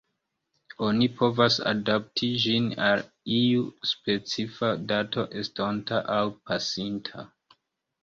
Oni povas adapti ĝin al iu specifa dato estonta aŭ pasinta.